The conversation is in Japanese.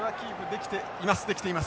できています。